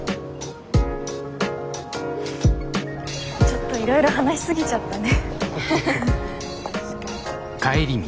ちょっといろいろ話し過ぎちゃったね。